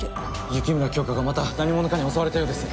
雪村京花が、また何者かに襲われたようです。